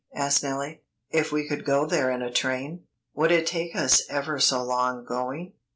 asked Nellie. "If we could go there in a train, would it take us ever so long going?"